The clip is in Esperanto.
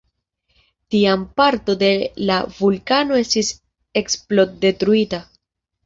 Tiam parto de la vulkano estis eksplod-detruita.